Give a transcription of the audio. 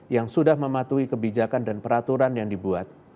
yang sudah mematuhi kebijakan dan peraturan yang dibuat